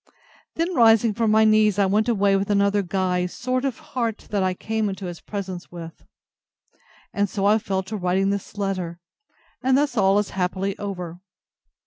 Then rising from my knees, I went away with another guise sort of heart than I came into his presence with: and so I fell to writing this letter. And thus all is happily over.